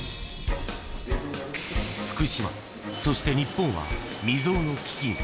福島、そして日本は未曽有の危機に。